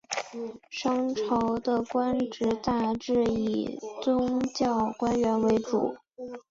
商朝的官职大致以宗教官员为主。